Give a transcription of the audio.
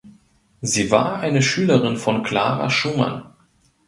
Sie war eine Schülerin von Clara Schumann.